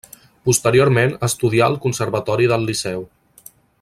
Posteriorment estudià al conservatori del Liceu.